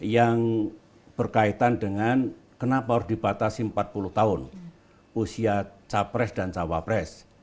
yang berkaitan dengan kenapa harus dibatasi empat puluh tahun usia capres dan cawapres